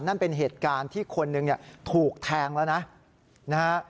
นั่นเป็นเหตุการณ์ที่คนนึงถูกแทงแล้วนะฮะ